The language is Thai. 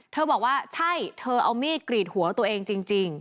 บอกว่าใช่เธอเอามีดกรีดหัวตัวเองจริง